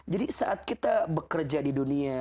saat kita bekerja di dunia